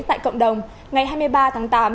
tại cộng đồng ngày hai mươi ba tháng tám